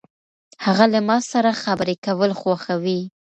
هغه له ما سره خبرې کول خوښوي.